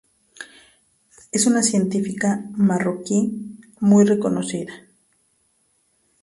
Es una científica marroquí muy reconocida.